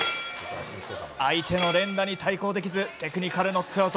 相手の連打に対抗できずテクニカルノックアウト。